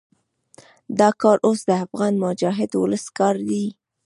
دا کار اوس د افغان مجاهد ولس کار دی.